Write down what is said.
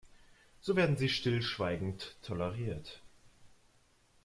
So werden sie stillschweigend toleriert.